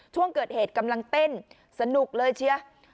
ช่วงเกิดเหตุกำลังเต้นสนุกเลยเชีย